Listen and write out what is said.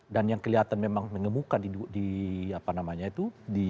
dan yang kelihatan memang mengemukkan di apa namanya itu